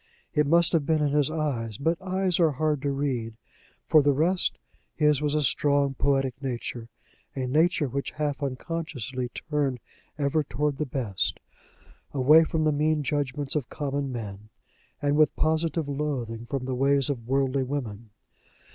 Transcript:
It must have been in his eyes, but eyes are hard to read. For the rest, his was a strong poetic nature a nature which half unconsciously turned ever toward the best, away from the mean judgments of common men, and with positive loathing from the ways of worldly women.